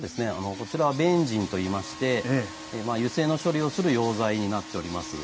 こちらはベンジンといいまして油性の処理をする溶剤になっております。